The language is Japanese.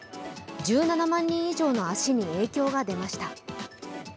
１７万人以上の足に影響が出ました。